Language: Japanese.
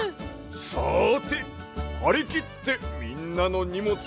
さてはりきってみんなのにもつはこぶで。